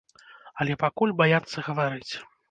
Але пакуль баяцца гаварыць.